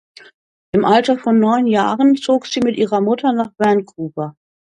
Im Alter von neun Jahren zog sie mit ihrer Mutter nach Vancouver.